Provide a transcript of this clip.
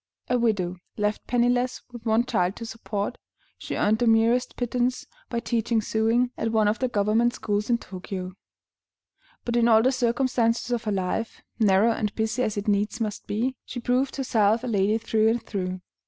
A widow, left penniless, with one child to support, she earned the merest pittance by teaching sewing at one of the government schools in Tōkyō; but in all the circumstances of her life, narrow and busy as it needs must be, she proved herself a lady through and through.